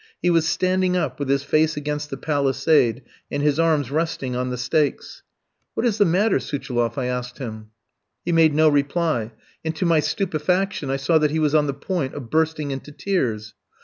He was standing up with his face against the palisade and his arms resting on the stakes. "What is the matter, Suchiloff?" I asked him. He made no reply, and to my stupefaction I saw that he was on the point of bursting into tears.